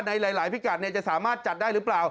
ในหลายพิกัดจะสามารถจัดได้หรือเปล่า